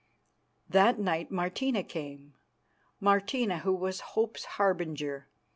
That night Martina came Martina, who was Hope's harbinger.